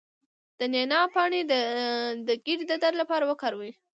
د نعناع پاڼې د ګیډې د درد لپاره وکاروئ